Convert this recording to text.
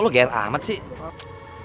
lu gayer amat sih